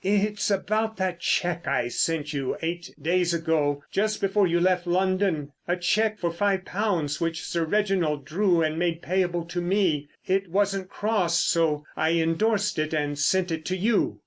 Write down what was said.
"It's about that cheque I sent you eight days ago. Just before you left London. A cheque for five pounds which Sir Reginald drew and made payable to me. It wasn't crossed, so I endorsed it and sent it to you."